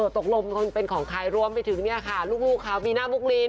ตกลงเป็นของใครรวมไปถึงเนี่ยค่ะลูกเขามีหน้ามุกลิ้น